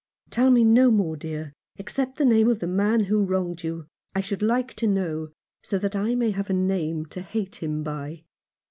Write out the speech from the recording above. "Tell me no more, dear, except the name of the man who wronged you. I should like to know, so that I may have a name to hate him by."